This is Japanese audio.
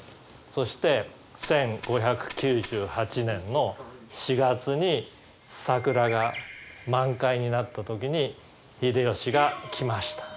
そして１５９８年の４月に桜が満開になった時に秀吉が来ました。